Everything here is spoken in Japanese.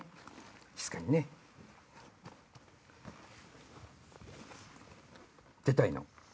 静かにね。出たいの？